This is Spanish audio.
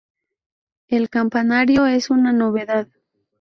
El campanario es una novedad.